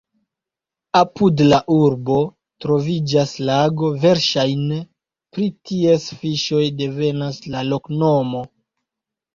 Apud la urbo troviĝas lago, verŝajne pri ties fiŝoj devenas la loknomo.